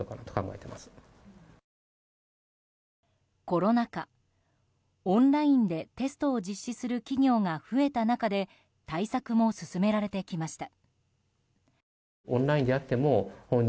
コロナ禍、オンラインでテストを実施する企業が増えた中で対策も進められてきました。